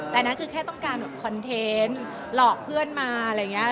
แต่นั้นคือแค่ต้องการคอนเทนต์หลอกเพื่อนมา